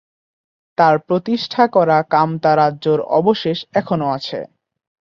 তার প্রতিষ্ঠা করা কামতা রাজ্যর অবশেষ এখনো আছে।